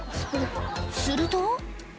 すると。